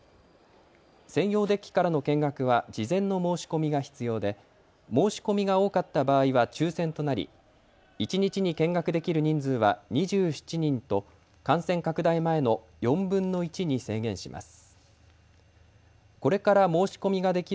専用デッキからの見学は事前の申し込みが必要で申し込みが多かった場合は抽せんとなり一日に見学できる人数は２７人と感染拡大前の４分の１に制限します。